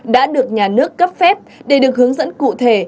đã được nhà nước cấp phép để được hướng dẫn cụ thể